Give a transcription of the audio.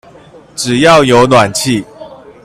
只要有暖氣